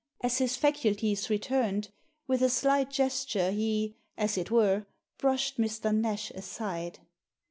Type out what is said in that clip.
As his faculties returned, with a slight gesture, he, as it were, brushed Mr. Nash aside.